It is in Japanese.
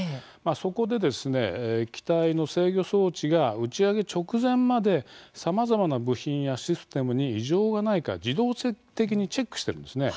そこで、機体の制御装置が打ち上げ直前までさまざまな部品やシステムに異常がないか自動的にチェックしているんです。